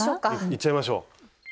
いっちゃいましょう！